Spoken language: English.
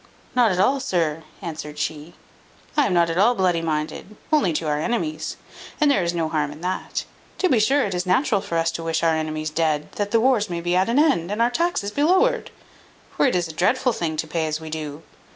"Not at all, sir," answered she; "I am not at all bloody minded, only to our enemies; and there is no harm in that. To be sure it is natural for us to wish our enemies dead, that the wars may be at an end, and our taxes be lowered; for it is a dreadful thing to pay as we do.